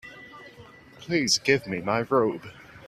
Please give me my robe.